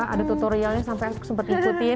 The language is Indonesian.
ada tutorialnya sampai sempat ikutin